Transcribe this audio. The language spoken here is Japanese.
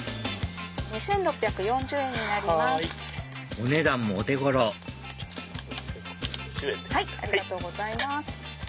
お値段もお手頃ありがとうございます。